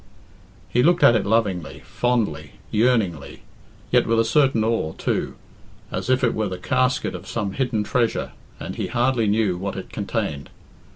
He looked at it lovingly, fondly, yearningly, yet with a certain awe, too, as if it were the casket of some hidden treasure, and he hardly knew what it contained.